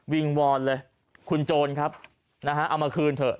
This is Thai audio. วิงวอนเลยคุณโจรครับนะฮะเอามาคืนเถอะ